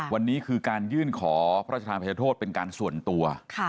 วันนี้คือการยื่นขอพระราชทานภัยโทษเป็นการส่วนตัว